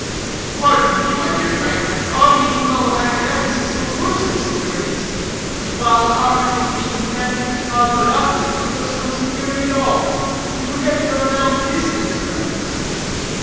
"Pardon me, my dear Frank, our being fellow academics is the worst of securities; while, our having been friends from childhood up is just no security at all. You forget we are now business friends."